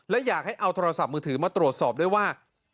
และอยากให้เอาโทรศัพท์มือถือมาตรวจสอบด้วยว่า